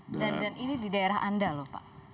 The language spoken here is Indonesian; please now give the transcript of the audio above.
dan ini di daerah anda lho pak